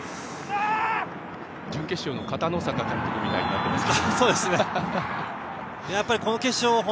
準決勝の片野坂監督みたいになってますが。